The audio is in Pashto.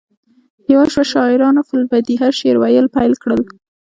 یوه شپه شاعرانو فی البدیهه شعر ویل پیل کړل